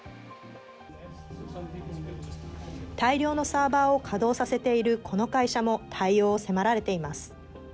大量のサーバーを稼働させているこの会社も、対応を迫られています。